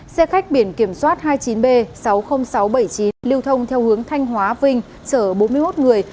xe khách biển kiểm soát hai mươi chín b sáu mươi nghìn sáu trăm bảy mươi chín lưu thông theo hướng thanh hóa vinh chở bốn mươi một người